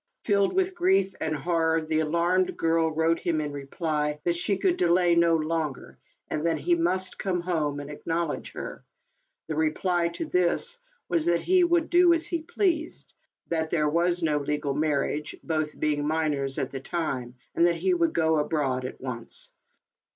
Filled with grief and horror, the alarmed girl wrote him, in reply, that she could delay no longer, and that he must come home and ac knowledge her. The reply to this was, that he would do as he pleased, that there was no legal marriage, both being minors at the time, and that he would go abroad at once.